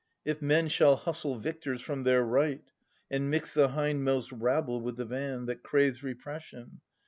If men shall hustle victors from their right. And mix the hindmost rabble with the van. That craves repression.